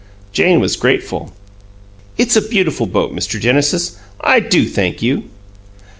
Jane was grateful. "It's a beautiful boat, Mr. Genesis. I do thank you!"